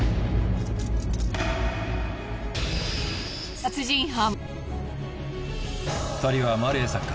殺人犯